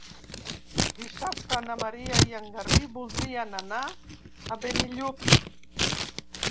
Dissabte na Maria i en Garbí voldrien anar a Benillup.